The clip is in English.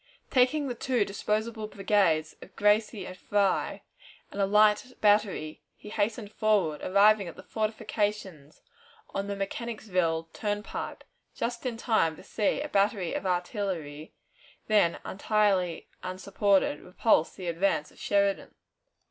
Taking the two disposable brigades of Gracie and Fry and a light battery, he hastened forward, arriving at the fortifications on the Mechanicsville Turnpike; just in time to see a battery of artillery, then entirely unsupported, repulse the advance of Sheridan.